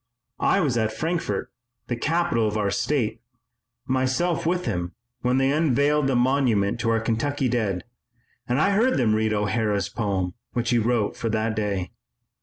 I was at Frankfort, the capital of our state, myself with him, when they unveiled the monument to our Kentucky dead and I heard them read O'Hara's poem which he wrote for that day.